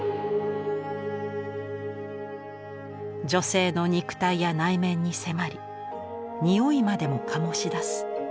女性の肉体や内面に迫り匂いまでも醸し出す。